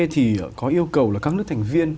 thì có yêu cầu là các nước thành viên